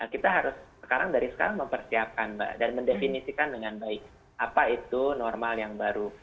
kita harus sekarang dari sekarang mempersiapkan mbak dan mendefinisikan dengan baik apa itu normal yang baru